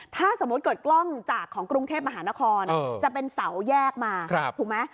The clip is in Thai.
ถ้าสมมุติเกิดกล้องจากของกรุงเทพมหานครจะเป็นเสาแยกมาถูกไหม